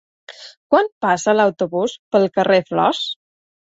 Quan passa l'autobús pel carrer Flors?